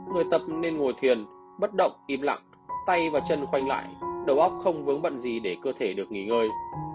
người tập nên ngồi thiền bất động im lặng tay và chân khoanh lại đầu óc không vướng bận gì để cơ thể được nghỉ ngơi